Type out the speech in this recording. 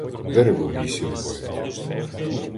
Дерево в лісі рубають.